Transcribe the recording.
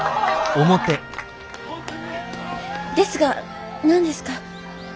・ですが何ですか？